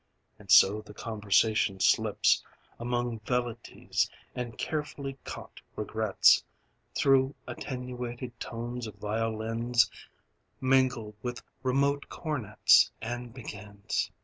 And so the conversation slips Among velleities and carefully caught regrets Through attenuated tones of violins Mingled with remote cornets And begins.